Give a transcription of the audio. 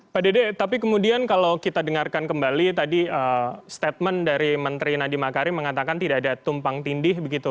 pak dede tapi kemudian kalau kita dengarkan kembali tadi statement dari menteri nadiem makarim mengatakan tidak ada tumpang tindih begitu